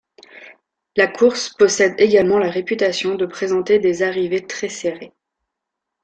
La course possède également la réputation de présenter des arrivées très serrées.